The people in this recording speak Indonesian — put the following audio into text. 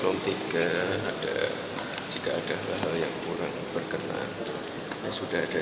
di proses saja melalui jalur jalur yang sudah ada